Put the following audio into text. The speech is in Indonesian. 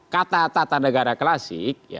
kata tata negara klasik